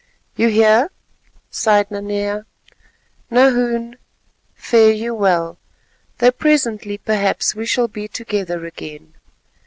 "You hear," sighed Nanea. "Nahoon, fare you well, though presently perhaps we shall be together again.